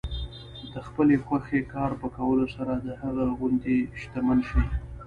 د خپلې خوښې کار په کولو سره د هغه غوندې شتمن شئ.